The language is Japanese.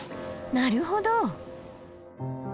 なるほど！